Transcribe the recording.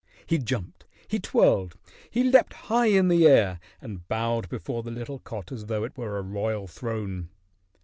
He jumped, he twirled, he leaped high in the air and bowed before the little cot as though it were a royal throne.